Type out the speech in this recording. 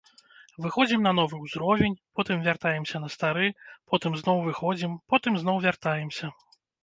Выходзім на новы ўзровень, потым вяртаемся на стары, потым зноў выходзім, потым зноў вяртаемся.